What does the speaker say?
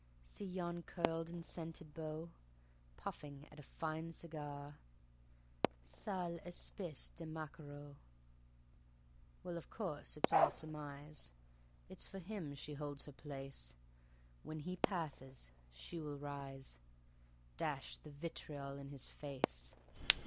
See yon curled and scented beau, Puffing at a fine cigar Sale espèce de maquereau. Well (of course, it's all surmise), It's for him she holds her place; When he passes she will rise, Dash the vitriol in his face.